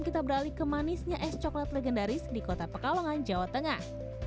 kita beralih ke manisnya es coklat legendaris di kota pekalongan jawa tengah